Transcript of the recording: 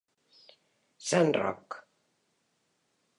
Sant Roc.